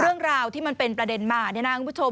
เรื่องราวที่มันเป็นประเด็นมาเนี่ยนะคุณผู้ชม